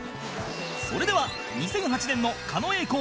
それでは２００８年の狩野英孝スタートです